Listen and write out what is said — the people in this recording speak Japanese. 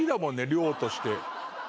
量として。